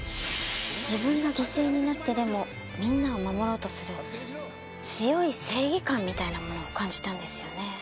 自分が犠牲になってでもみんなを守ろうとする強い正義感みたいなものを感じたんですよね。